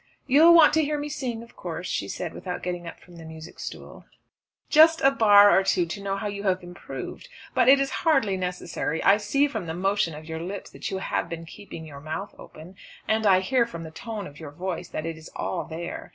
"You'll want to hear me sing of course," she said without getting up from the music stool. "Just a bar or two to know how you have improved. But it is hardly necessary. I see from the motion of your lips that you have been keeping your mouth open. And I hear from the tone of your voice, that it is all there.